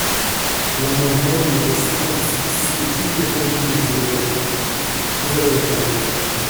L’amendement numéro cinquante-six est-il défendu, monsieur Lecoq ? Vous avez la parole.